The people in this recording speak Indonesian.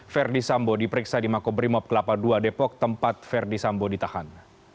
ferdis ambo diperiksa di makobrimob kelapa dua depok tempat ferdis ambo ditahan